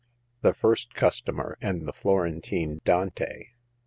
THE FIRST CUSTOMER AND THE FLORENTINE DANTE.